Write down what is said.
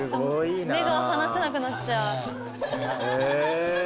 目が離せなくなっちゃう。